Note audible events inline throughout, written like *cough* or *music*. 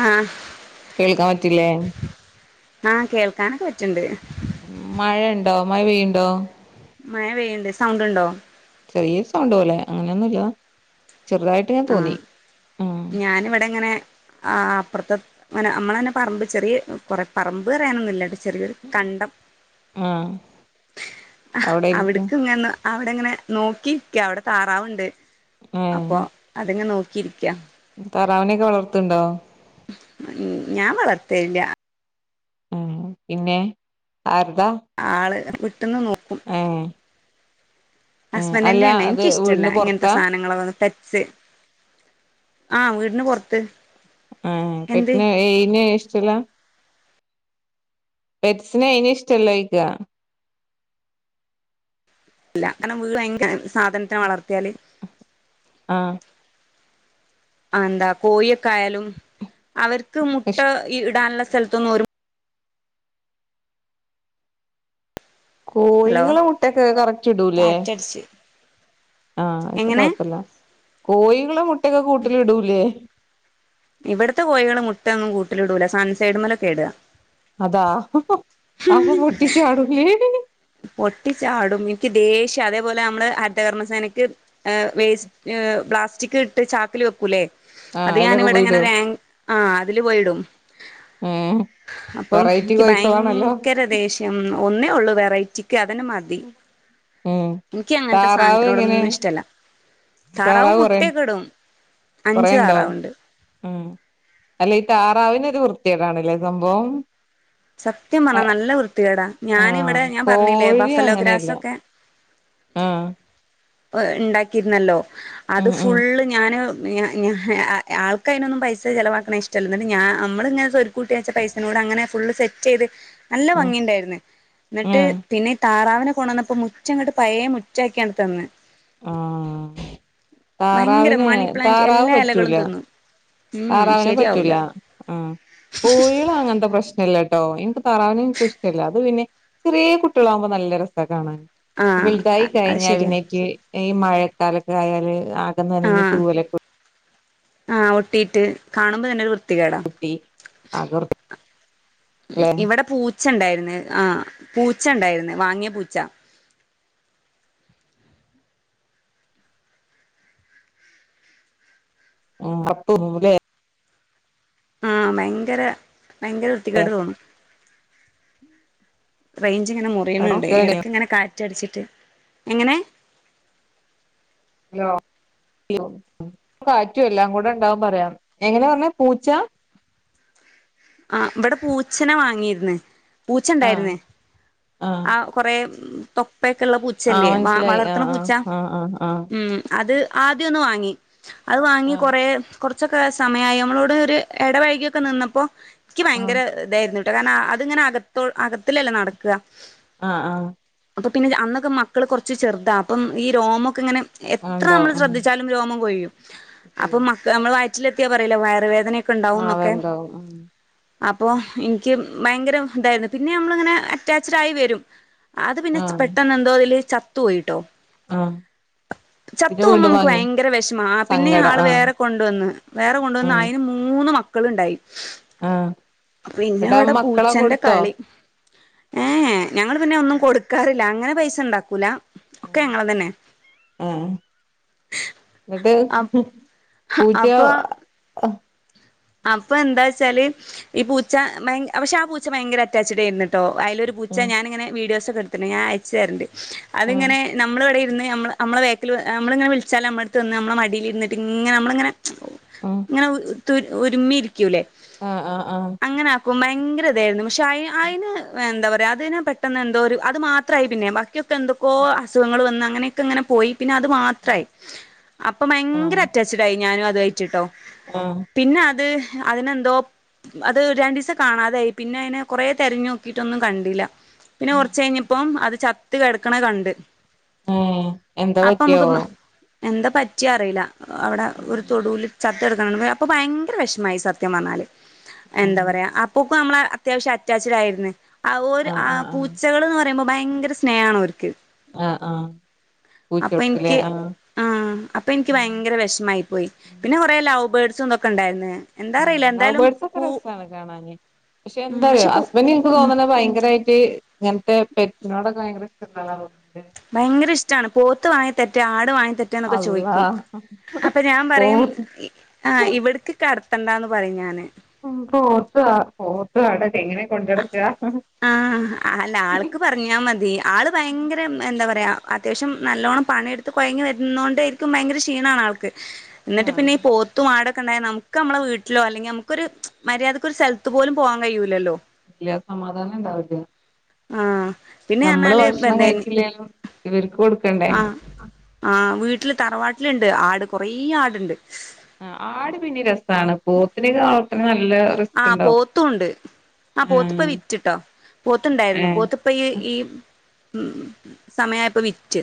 ആഹ് കേൾക്കാൻ പറ്റില്ലേ? ആ, കേൾക്കാനൊക്ക പറ്റിനുണ്ട്. മഴ ണ്ടോ? മഴ പെയ്യണ ണ്ടോ? മഴ പെയ്യിണ്ട് സൗണ്ട് ഉണ്ടോ? ചെറിയ സൗണ്ട് പോലെ, അങ്ങനെയൊന്നുംല്ല ചെറുതായിട്ട് ഇങ്ങനെ തോന്നി. ആഹ് ഞാനവിടെങ്ങനെ ആ, അപ്പുറത്തെെ നമ്മള തന്നെ പറമ്പ് ചെറിയ കൊറെ പറമ്പ് പററയാനൊന്നുല്ലാ ചെറിയൊരു കണ്ടം ആഹ് അവിടെ ഇരിക്കും അവിടക്ക ഇങ്ങനെ അവിടെങ്ങനെ നോക്കിരിക്ക. അവിടെ താറാവുണ്ട് അപ്പൊ അതെങ്ങനെ നോക്കിയിരിക്കാ. താറാവിനെക്കെ വളർത്തുന്നു ണ്ടോ? ഞാൻ വളർത്തണി ല്ല. ഉം. പിന്നെ ആരതാ? ആള് പെട്ടന്ന് നോക്കും. ഏ. ഹസ്ബൻഡിന്റെ ണ് അത് എനിക്കിഷ്ടല്ല. വീടിന്റെ ഇങ്ങനത്തെ പുറത്താ സാധനങ്ങള വന്ന് പെറ്റ്സ് ആ, വീടിന് പുറത്ത് ആ, എന്ത് പെറ്റ്സ് ഇല്ല എയിനെ ഇഷ്ടല്ല. പെറ്റ് സിനെ എയിനിം ഇഷ്ടല്ലെ ചോദിക്കാ. ഇല്ല, വിട്ടിൽ അങ്ങനെ ത്തെ സാധനത്തിനെ വളർത്തിയാൽ ആ. എന്താ കോഴിയൊക്കെ ആയാലും അവർക്ക് മുട്ട ഇഷ് ഇടാനുള്ള സ്ഥലത്തൊന്നും ഒരു ഹലോ കോഴികൾ മുട്ടക്കെ കറക്റ്റ് ഇടൂല്ലേ? *unintelligible* ആ, അത് എങ്ങനെ കൊഴപ്പില്ല. കോഴികൾ മുട്ടക്കെ കൂട്ടില് ഇടൂലേ. ഇവിടത്തെ കോഴികൾ മുട്ട ഒന്നും കൂട്ടിലിടൂല. സൺസൈഡ് മലൊക്കെ ഇടുക. അതാ അപ്പൊ പൊട്ടിച്ചാടുലെ. പൊട്ടിച്ചാടും. എനിക്ക് ദേഷ്യം അതേപോലെ നമ്മള് ഹരിതകർമ്മസേനക്ക് വേസ്റ്റ് പ്ലാസ്റ്റിക് ഇട്ട് ചാക്കിൽ വെക്കൂല്ലേ, ആഹ് അത് അയിലൊക്കെ പോയിടും ഞാനിവിടെങ്ങനെ ആ, അതില് പോയിടും. ഏഹ് അപ്പം വെറൈറ്റി എനിക്ക് കോഴിക്കളാണല്ലോ ഭയങ്കര ദേഷ്യം ഒന്നേ ഉള്ളൂ വെറൈറ്റിക്ക് അതിന് മതി. *unintelligible* എനിക്ക് അങ്ങനത്തെ താറാവ് എങ്ങനെ സാനത്തിനോടൊന്നും ഇഷ്ടല്ല താറാവ് മുട്ടയക്കെടും. കൊറെയുണ്ടോ ഉം അല്ല ഈ താറാവിനൊരു വൃത്തിയേടാണല്ലേ സംഭവം. സത്യം പറഞ്ഞാ നല്ല വൃത്തികേടാ ഞാനിവിടെ ആഹ് ഞാൻ പറഞ്ഞില്ലേ കോഴി ബഫലോഗ്രാസൊക്കെ. ആ. ഇണ്ടാക്കിയിരുന്നല്ലോ അത് ഉം ഉം ഫുള്ള് ഞാന്. ആൾക്ക് അതിനൊന്നും പൈസ ചെലവാക്കണ ഇഷ്ടല്ലന്നിട്ട് ഞാൻ അമ്മളിങ്ങനെ സ്വരുക്കൂട്ടി വെച്ചാ പൈസനോട് അങ്ങനെ. ഫുള്ള് സെറ്റ് ചെയ്ത് നല്ല ഉം ഭംഗി ഇണ്ടായിരുന്ന്. എന്നിട്ട് ആഹ് പിന്നെ ഈ താറാവിനെ കൊണ്ടുവന്നപ്പോ. മുറ്റം അങ്ങോട്ട് പഴേ മുറ്റാക്കിയാണ്ട് തന്ന്. ആഹ് ഭയങ്കര താറാവിനെ മണി പ്ലാന്റ് താറാവ് എല്ലാ ഇലകളും പറ്റൂല. തിന്നു ഉം താറാവിനെ ശരിയാവൂല പറ്റൂല ആഹ് കോഴികൾ അങ്ങനത്തെ പ്രശ്നം. ഇഷ്ട്ടല്ലട്ടോ എനിക്ക് താറാവിനേം എനിക്കിഷ്ടല്ല അത് പിന്നെ ചെറിയ കുട്ടികളാകുമ്പോ നല്ല രസം കാണാൻ. ആഹ് വെലുതായി അത് കഴിഞ്ഞാൽ ശരിയാ പിന്നെനിക്ക് ഈ മഴക്കാലൊക്കെ ആയാല് ആക നനഞ്ഞ് ആഹ് തൂവലൊക്കെ. ആഹ് ഒട്ടിയിട്ട് കാണുമ്പോ തന്നെ ഒരു വൃത്തികേടാ. *unintelligible* ഇവിടെ പൂച്ചണ്ടായിര്ന്ന് ആഹ് പൂച്ച ഉണ്ടായിരുന്നു വാങ്ങിയ പൂച്ച. *unintelligible* ആഹ് ഭയങ്കര ഭയങ്കര വൃത്തികേട് തോന്നും. റേഞ്ച് ഇങ്ങനെ മുറിയുന്നുണ്ട് എടക്ക് ഇങ്ങനെ കാറ്റ് അടിച്ചിട്ട് എങ്ങനെ. ഹലോ, കാറ്റും എല്ലാം കൂടെ ഇണ്ടാവാൻ പറയാം എങ്ങനാ പറഞ്ഞ പൂച്ച. ആഹ് ഇവിടെ പൂച്ചനെ വാങ്ങിയിരുന്ന് പൂച്ച ആഹ് ഉണ്ടായിരുന്ന്. ആഹ് കൊറെ തൊപ്പൊക്കെള്ള ആഹ് പൂച്ചല്ലേ മനസ്സിലായി വളർത്തണ പൂച്ച ആഹ് ആഹ് ആഹ് ആഹ് ഉം. അത് ആദ്യം ഒന്ന് വാങ്ങി അത് വാങ്ങി ആഹ് കൊറേ. കുറച്ചൊക്കെ സമയായി നമ്മളോട് ഒരു ഇടപഴകിയൊക്കെ നിന്നപ്പോ എനിക്ക് ഭയങ്കര ആഹ് ഇതായിരുന്നു. ട്ടൊ കാരണം അത്ങ്ങനെ അകത്തോ അകത്തിലല്ലോ നടക്ക. ആഹ്, ആഹ്. അപ്പൊ പിന്നെ അന്നൊക്കെ മക്കള് കുറച്ച് ചെറുതാ അപ്പം ഈ രോമൊക്കെങ്ങനെ. ആഹ് എത്ര ഉണ്ടാവും നമ്മള് ഉം ശ്രദ്ധിച്ചാലും രോമം കൊഴിയും അപ്പൊ മക്ക നമ്മൾ വയറ്റിലെത്തിയാൽ പറയുലെ വയറുവേദന. ആഹ് അവ ക്കെണ്ടാവുംന്നൊക്കെ. ഉണ്ടാവും ഉം അപ്പൊ ഇൻക്ക് ഭയങ്കര ഇതായ്ര്ന്നു പിന്നെ നമ്മളിങ്ങനെ അറ്റാച്ച് ടായി വെരും. അത് പിന്നെ ആഹ് പെട്ടെന്ന് എന്തോതില് ചത്തു പോയിട്ടോ. ആഹ്. ചത്തു പിന്നെ പോവുമ്പം വീണ്ടും മ്മക്ക് വാങ്ങിയോ ഭയങ്കര വെഷമാ പിന്നെ സങ്കടം ആള് ആഹ് വേറെ കൊണ്ട്‌വന്ന് വേറെ കൊണ്ടുവന്ന് ഉം അയ്ന് മൂ മൂന്ന് മക്കള്ണ്ടായി. ആഹ് ന്നട്ടാ മക്കള കൊട്ത്തോ? ഏഹ് ഞങ്ങള്പിന്നെ ഒന്നും കൊടുക്കാറില്ല അങ്ങനെ പൈസണ്ടാക്കൂല ഒക്കെ ഞങ്ങളതന്നെ. ന്നട്ട് പൂച്ച്യോ. അപ്പന്താച്ചാല് ഈ പൂച്ച ഭയ പക്ഷെ ആ പൂച്ച ഭയങ്കര അറ്റാച്ചിഡേര്ന്നിട്ടോ അയ്ലൊരു. പൂച്ച ആഹ് ഞാനിങ്ങനെ വീഡിയോസൊക്കെ എട്ത്തിണ് ഞാ അയച്ചെര്ന്റ് ആഹ് അതിങ്ങനെ ന്നമ്മളെവിടിര്ന്ന് ഞമ്മള അമ്മള വേക്കില് അമ്മളിങ്ങനെ വിൾച്ചാല് നമ്മളെട്ത്ത് വന്ന് ന്നമ്മള മടീലിരിന്നിട്ടിങ്ങനെ നമ്മളങ്ങനെ. ആ. അങ്ങനെത്തുര് ഒരുമ്മിര്ക്ക്യൂലെ. ആഹ്, ആഹ്, ആഹ്. അങ്ങനാക്കുമ്പ ഭയങ്കര ഇതേര്ന്നു പക്ഷെ അയ് അയ്ന് എന്താ പറയാ അതിനെ പറ്റ് പെട്ടെന്ന് എന്തോരു അത് മാത്രായി പിന്നെ ബാക്കിയൊക്കെ എന്തൊക്കോ അസുഖങ്ങള് വന്ന് അങ്ങനെക്കെങ്ങനെ പോയി. പിന്നെ അത് മാത്രായി. അപ്പം ഭയങ്കര ആഹ് അറ്റാച്ച് ടായി ഞാനും അതേറ്റ്ട്ടോ. ആഹ്. പിന്നെ അത് അതിനെന്തോ. അത് രണ്ടീസം കാണാതായി പിന്നെ അയ്നെ കൊറെ തെര്ഞ്ഞോക്കിട്ടൊന്നും കണ്ടില്ല. പിന്നെ ആഹ് കൊർച്ചയ്ഞ്ഞപ്പം അത് ചത്ത് കെടക്കണ കണ്ട്. ഏഹ് എന്താ അപ്പമ്മക്ക് പറ്റിയാവോ മ എന്താ പറ്റ്യേ അറീല അവിടെ ഒരു തൊടൂല് ചത്ത്. കെടക്കണണ്ട് അപ്പൊ ഭയങ്കര വെഷമായി സത്യം പർഞ്ഞാല് എന്താ ആഹ് പർയാ അ പൂപ്പമ്മളെഅത്യാവശ്യം അറ്റാച്ചിഡ് ആയിര്ന്ന് ആഹ് ഓരു ആഹ് പൂ ച്ചകള്ന്ന് പറയുമ്പോ ഭയങ്കര സ്നേഹാണ് ഓര്ക്ക്. ആഹ്, ആഹ്. പൂച്ചകൾക്കില്ലേ അപ്പൻക്ക് ആഹ് അപ്പൻക്ക് ഭയങ്കര ആഹ് വെഷ്മായി പോയി. പിന്നെ കൊറെ ലൗവ് ബേഡ്സും ഇതൊക്കെണ്ടായ്ര്ന്നേ. അഹ് ലൗവ് ബേഡ്സൊക്കെ രസാണ് കാണാന് പക്ഷെ ഉം എന്താറ്‌യൊ കൂ ഹസ്ബന്റ് ഇൻക്ക് ഉം തോന്ന്ണെ ഭയങ്കരെ ട്ട് ഇങ്ങൻത്തെ പെറ്റ്സിനോടൊക്കെ ഭയങ്കര ഇഷ്ടള്ളാളാ തോന്നണ്. ഭയങ്കര ഇഷ്ടാണ് പോത്ത് വാങ്ങി തെര്റ്റെ ആട് വാങ്ങി തെര് റ്റെന്നൊക്കെ അള്ളാ ചോയ്ക്കും അപ്പൊ ഞാ പറയും പോത്ത് ഇ ആഹ് ഇവിട്ക്ക് കട്ത്തണ്ടാന്ന് പറയും ഞാന്. ഉം പോത്താ പോത്തും ആടൊക്കെ എങ്ങനെ കൊണ്ടട്ക്ക. ആ, ആ അല്ല ആൾക്ക് പർഞ്ഞാ മതി ആള് ഭയങ്കര എന്താ പറയാ അത്യാവശ്യം നല്ലോണം പണിയെട് ത്ത് കൊയങ്ങി വെര്ന്നോണ്ടേര്ക്കും ഭയങ്കര ക്ഷീണാണാൾക്ക്. *inaudible* എന്നിട്ട് പിന്നീ പോ ത്തും ആടക്കെണ്ടായ നമുക്ക്മ്മളെ വീട്ടിലോ അല്ലെങ്കി നമ്ക്കൊരു മര്യാദക്ക് ഒരു സെൽത്ത് പോലും പോവാം കയ്യൂലല്ലോ. ഇല്ല്യ സമാധാനണ്ടാവില്യ. ആഹ്. നമ്മള് ഭക്ഷണം കഴിച്ചില്ലേലും ഇവര്ക്ക് കൊടുക്കണ്ടേ. ആഹ് വീട്ടില് തറവാട്ട്ലിണ്ട് ആട് കൊറേ ആട്ണ്ട്. ആട് പിന്നിം രസാണ്. പോത്തിനെക്കെ വളർത്തിണെ നല്ല റിസ്ക്ക്ണ്ടാവും. ആഹ് പോത്തിപ്പ വിറ്റ്ട്ടോ പോത്ത്ണ്ടായ്ര്ന്നു ഏഹ് പോത്ത്. ഇപ്പയീ ഈ ഉം സമയായപ്പ വിറ്റ്.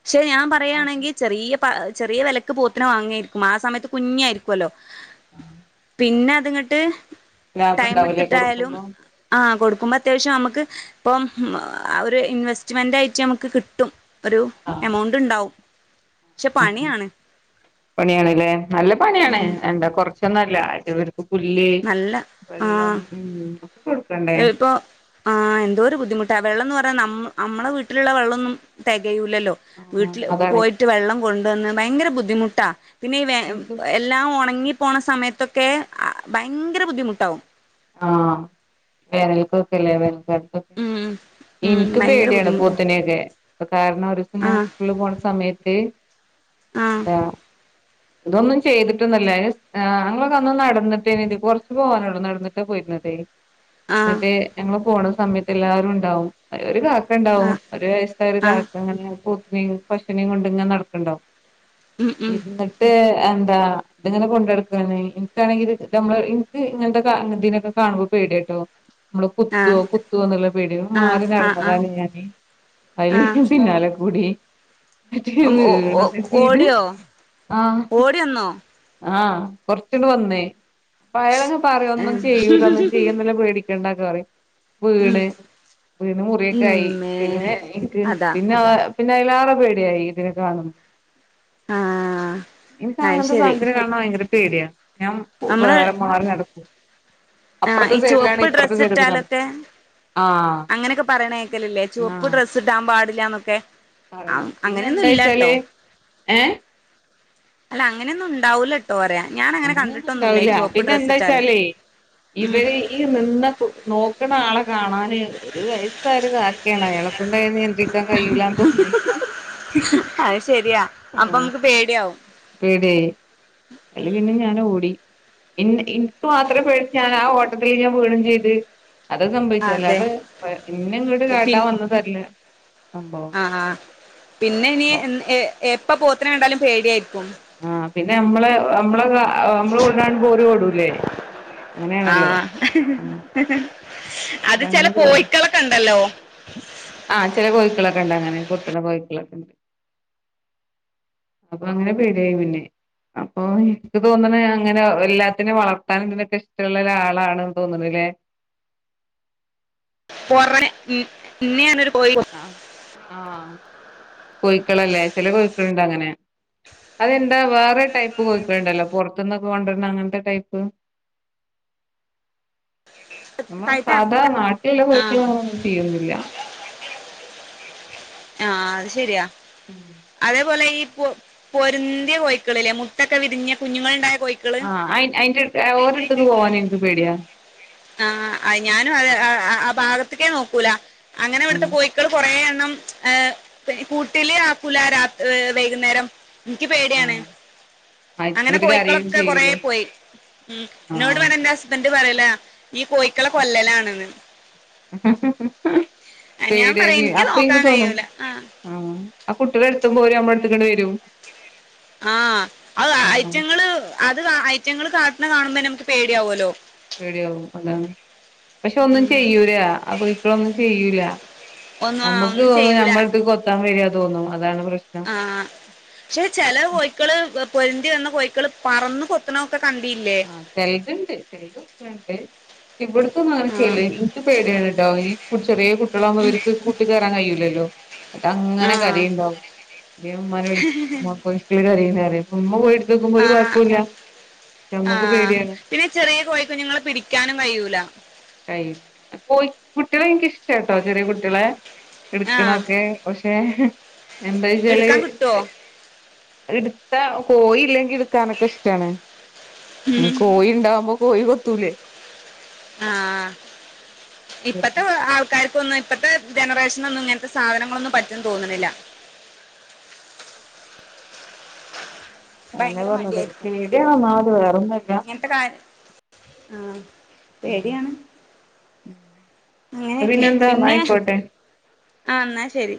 പക്ഷെ ഞാ അതെ പറയാണെങ്കി ചെറിയ പ ചെറിയ വെലക്ക് പോത്തിനെ വാങ്ങേര്ക്കും ആഹ്സമയത്ത്. കുഞ്ഞായ്ര്ക്ക്വല്ലോ. *unintelligible* പിന്നെ അതിങ്ങ്ട്ട് ലാഭം ഇണ്ടാവൂലേ ടൈമ്ട്ത്തിട്ടായാലും. കൊടുക്കുമ്പോ ആഹ് കൊടുക്കുമ്പോ അത്യാവശ്യം നമുക്ക് ഇപ്പം ഒരു ഇൻവെസ്റ്റ്മെന്റ് ആയിട്ട് നമ്ക്ക് കിട്ടും. ഒരു ആഹ് എമൗണ്ട്ണ്ടാവും. ആഹ്, പണിയാണ്ല്ലേ? നല്ല പണിയാണ് ഉം എന്താ കൊറച്ചൊന്നല്ല അടവ്. ഇപ്പൊ പുല്ല്, നല്ല വെള്ളം ആ ഉം ഒക്കെ കൊടുക്കണ്ടേ? ആഹ് എന്തോരു ബുദ്ധിമുട്ടാ. വെള്ളന്നർഞ്ഞ ന അമ്മള വീട്ടിലുള്ള വെള്ളൊന്നും തെകയൂലല്ലോ? ആഹ് വീട്ടില് അതാണ് പോയിട്ട് വെള്ളം കൊണ്ടുവന്ന് ഭയങ്കര ബുദ്ധിമുട്ടാ പിന്നെ ഈ വേ ആഹ്. ഇൻക്ക് എല്ലാം ഒണങ്ങിപ്പോണ സമയത്തൊക്കെ ഭയങ്കര ബുദ്ധിമുട്ടാവും. ആഹ് വേനൽക്കൊക്കെല്ലേ വേനൽകാലത്തൊക്കെ? ഉം ഉം ഇൻക്ക് ഭയങ്കര പേടിയാണ് ബുദ്ധിമുട്ടാ പോത്തിനെയൊക്കെ. ഇപ്പൊ കാരണം ഒരൂസം ഞാൻ സ്കൂളില് പോണ സമയത്ത്. ആഹ് എന്താ ഇതൊന്നും ചെയ്തിട്ടന്നുല്ല. അയിന് ആഹ് ഞങ്ങളൊക്കന്ന് നടന്നിട്ടേന്നു കൊർച്ച് പോവാനൊള്ളൂ നടന്നി ആ ട്ടന്നിട്ട് ഞങ്ങള് പോണ സമയത്ത് എല്ലാരുണ്ടാവും. ഒരു ആ കാക്കണ്ടാവും. ഒരു വയസ്സായ ഒരു ആ കാക്ക അങ്ങനെ പോത്തിനേയും പശൂനേയും കൊണ്ട് ഇങ്ങനെ നടക്ക്ണ്ടാവും. ഉം ഇ ഉം ട്ട് എന്താ ഇത്ങ്ങനെ കൊണ്ടടക്കാണ്. ഇൻക്കാണെങ്കി ഇത് ഇതമ്മള് ഇൻക്ക് ഇങ്ങൻത്തെ കാ പോത്തിനൊക്കെ കാണുമ്പോ പേടിയാട്ടോ ഞമ്മളെ ആ കുത്തോ കുത്തോന്ന്ള്ള പേടിയേന്നു. അപ്പൊ ആ മാറി ആ ആ നടന്നതാണ് ഞാന് ആ അയില് പിന്നാലെ കൂടി ഇന്നിട്ട് ഓ ഓ വീണൊക്കെ ചെയ്ത് ഓടിയോ ആഹ് ഓടി വന്നോ ആഹ് കൊർച്ച്ങ്ങ്ട് വന്നേ. അപ്പയാള് പറഞ്ഞു ഒന്നും ഉം ചെയ്യൂല ഒന്നും ചെയ്യ യ്യൂല്ല പേടിക്കണ്ടാന്ന് പറഞ്ഞു ഉം വീണ് വീണ് മുറിയൊക്കായി ഇമ്മേ പിന്നെ ഇൻക്ക് അതാ പിന്നെ ആ പിന്നെ അയിലേറെ പേടിയായി ഇതിനെ കാണുമ്പോ ആഹ് ഇൻക്ക് അത് അങ്ങൻത്തെ ശരി സാനത്തിനെ കാണ്ണെ ഭയങ്കര പേടിയ ഞാൻ നമ്മള് വേറെ മാറി നടക്കും. ആഹ് അപ്പുറത്തെ ഈ സൈഡിലാണ് ചൊവപ്പ് ഇപ്പുറത്തെ ഡ്രസ്സ് സൈഡിൽ കൂടെ ഇട്ടാലൊക്കെ ആഹ് അങ്ങനെ ഒക്കെ പറയ്ണ കേക്കല് ഇല്ലേ ചുവപ്പ് ആഹ് ഡ്രെസ് ഇടാൻ പാടില്ലാന്നൊക്കെ പറയും ആഹ് പിന്നെ അങ്ങനെന്നും ഇല്ലട്ടോ എന്താച്ചാല് ഏഹ് അല്ല അങ്ങനെയൊന്നും ഇണ്ടാവൂല ട്ടോ പറയാ ഞാൻ അങ്ങനെ അങ്ങനെയൊന്നും കണ്ടിട്ടൊന്നും ഇല്ല ഈ ഉണ്ടാവില്ല ചുവപ്പ് പിന്നെ ഡ്രെസ്സിട്ടാല് എന്താച്ചാലേ ഉം ഇവര് ഈ നിന്ന നോക്ക്ണ ആളെ കാണാന് ഒരു വയസ്സായൊരു കാക്കേണ് അയാളെക്കൊണ്ട് അയിനെ നിയന്ത്രിക്കാൻ കഴയ്യൂലാന്ന് തോന്നി. അത് ശരിയാ അപ്പം പേടിയാവും. പേടിആയിഅയില് പിന്നെ ഞാന് ഓടി ഇൻ ഇൻക്ക് മാത്രേ പേടിണ്ടാ ആ ഓട്ടത്തില് ഞാൻ വീഴും ചയ്ത് അതാ സംഭവിച്ചത്. അതെ അല്ലാതെ അ ഇന്നെ ഇങ്ങട് കാട്ടാം വന്ന തല്ല അ ആഹ് പിന്നെ ഇനി എൻ എപ്പ പോത്തിനെ കണ്ടാലും പേടി ആയിര്ക്കും. ആഹ് പിന്നെ ഞമ്മള് ഞമ്മള് ആഹ് ഞമ്മള് ഓട്ണത് കാണുമ്പോ ഓലും ഓടൂല്ലേ അങ്ങനെ ആണല്ലോ ആഹ് അത് ചെല അതങ്ങനെ പേടിയാ കോയിക്കളൊക്കെ ഉണ്ടല്ലോ ആഹ് ചെല കോയ്ക്കളൊക്കെണ്ടങ്ങനെ കൊത്ത്ണ കോയ്ക്കളക്കെണ്ട്. അപ്പൊ അങ്ങനെ പേടിയായി പിന്നെ. അപ്പൊ ഇൻക്ക് തോന്ന്ണ് അങ്ങനെ എല്ലാത്തിനെയും വളർത്താനും ഇതിനൊക്കെ ഇഷ്ടള്ള ഒരാളാണ്ന്ന് തോന്നുണൂല്ലേ *unintelligible* ഉം ഇന്നെയും അങ്ങനൊരു കോയി കൊത്ത അ ആഹ് കോയ്ക്കള്ല്ലേ ചെല കോയ്ക്കള്ണ്ട് അങ്ങനെ അതെന്താ വേറെ ടൈപ്പ് കോയ്ക്കള്ണ്ടല്ലോ പൊർത്ത്ന്നൊക്കെ കൊണ്ട് വരുന്ന അങ്ങൻത്തെ ടൈപ്പ് ഞമ്മളെ സാധാ കഴുത്തിനറക്കില്ല നാട്ടില്ള്ള ആഹ് കോയ്ക്കളോന്നും ചെയ്യൊന്നുല്ല ആഹ് അത് ശരിയാ. അതേപോലെ ഇപ്പൊ പൊരുന്തിയ കോയിക്കളില്ലേ മുട്ടൊക്കെ വിരിഞ്ഞ കുഞ്ഞുങ്ങളുണ്ടായ കോഴിക്കള് ആ അയ് അയിന്റെ ഓലെടുത്ത്ക്ക് പോവാൻ എനിക്ക് പേടിയാണ് ആ അ ഞാനും അത് ആ ഭാഗത്തേക്കേ നോക്കൂല അങ്ങനെ ഇവിടുത്തെ ആഹ് കോഴി ക്കള് കുറെ എണ്ണം ഏ കൂട്ടില് ആക്കൂല രാ ഏ വൈകുന്നേരം ഇൻക്ക് പേടിയാണ് ആഹ് അങ്ങനെ ഒരു കരയും കോഴിക്കളൊക്കെ കൊറേ ചെയ്യൂലേ പോയി ഉം ഇന്നോട് പറയും ഇന്റെ ഹസ് ബൻഡ് പറയലാ ഈ കോയിക്കളെ കൊല്ലലാണ്ന്ന്. ഞാൻ പറയും പേടിയരി എനിക്ക് അപ്പൊ ഇൻക്ക് നോക്കാൻ തോന്നും കഴിയൂല ആഹ് ആ കുട്ട്യളെ എടുത്തുംമ്പോര് അമ്മളെ എടുത്ത്ക്കാണ്ട് വെരും ആഹ് അ ഐറ്റിങ്ങള് അത് ഐറ്റിങ്ങള് കാട്ട്ണെ കാണുമ്പോന്നെ മ്മക്ക് പേടിയാവൊല്ലോ. പേടിയാവും അതാണ് പക്ഷെ ഒന്നും ചെയ്യൂല അ ഇപ്പോളൊന്നും ചെയ്യൂല. ഒന്നും ആഹ് അമ്മക്ക് ഒന്നും തോന്നും ചെയ്യൂല ഞമ്മളെ എട്ത്തിക്ക് കൊത്താൻ വെരാ തോന്നും അതാണ് പ്രശ്നം. ക്ഷെ ചെല കോയ്ക്കള് പൊരുന്തി വന്ന കോയ്ക്കള് പറന്ന് കൊത്ത്ണൊക്കെ കണ്ടീല്ലേ? ആ ചെലതുണ്ട് ചലത് *inaudible* ഇവിടത്തെന്നും ങ്ങനെ ആഹ് ചെല്ലു ഇൻക്ക് പേടിയാണ് ട്ടോ ചെറീയെ കുട്ട്യാളാവുംമ്പോ ഇവര്ക്ക് കൂട്ടിക്കേറാൻ കയ്യൂലല്ലോ. ന്നട്ട് അങ്ങനെ ആഹ് കരയും ഇണ്ടാവുംന്നിട്ട് ഞാ ഉമ്മാനെ വിളി ഉമ്മാ കോഴിക്കള് കരയുണ് പറയും. ഉമ്മ പോയി ഇട്തോക്കുംമ്പോ ഒരു ആഹ് കൊയപ്പൂല്ല. ആഹ് പിന്നെ ചെറിയ കോയി കുഞ്ഞുങ്ങളെ പിടിക്കാനും കയ്യൂല. കോയി കുട്ട്യാളെ എനിക്കിഷ്ടാട്ടോ ചെറിയ കുട്ട്യളെ ആഹ് എടുക്കണൊക്കെ പക്ഷെ എന്തൊയ്ച്ചാല് എടുക്കാൻ കിട്ടുവോ ഇടുത്താ കോയില്ലെങ്കി ഇടുക്കാനൊക്കെ ഇഷ്ടാണ്. കോയിണ്ടാവുമ്പോ കോയി കൊത്തൂലേ? ആഹ് ഇപ്പത്തെ ആൾക്കാർ ക്കൊന്നും ഇപ്പത്തെ ജനറേഷനൊന്നും ഇങ്ങനത്തെ സാധനങ്ങളൊന്നും പറ്റുന്ന് തോന്നണില്ല. അതന്നെ ഭയങ്കര പറഞ്ഞത് പേടിയാണ് ഒന്നാമത് വേറൊന്നുല്ല *unintelligible* ആ പേടിയാണ് ന്നാ അങ്ങനെയൊക്കെ പിന്നെന്താ ന്നാ പിന്നെ ആയിക്കോട്ടെ ആഹ് എന്നാ ശെരി.